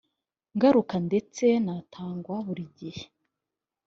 ngaruka ndetse n atangwa buri gihe